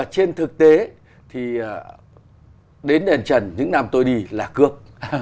trên thực tế đến đền trần những năm tôi đi là cướp